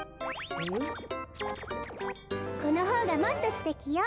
このほうがもっとすてきよ。